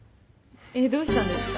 えっどうしたんですか？